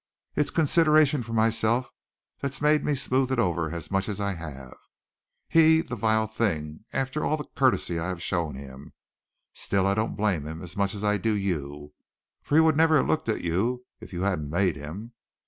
It's consideration for myself that's made me smooth it over as much as I have. He, the vile thing, after all the courtesy I have shown him. Still I don't blame him as much as I do you, for he would never have looked at you if you hadn't made him.